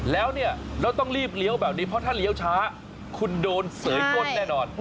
แล้วเนี่ยเราต้องรีบเลี้ยวแบบนี้เพราะถ้าเลี้ยวช้าคุณโดนเสยกลแน่นอน